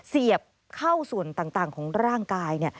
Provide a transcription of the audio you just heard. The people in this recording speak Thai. เสียบเข้าส่วนต่างของร่างกาย